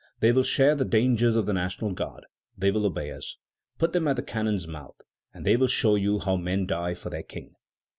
They will share the dangers of the National Guard. They will obey us. Put them at the cannon's mouth, and they will show you how men die for their King."